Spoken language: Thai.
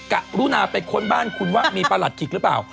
กรุณาไปค้นบ้านคุณว่ามีประหลัดจิกหรือเปล่า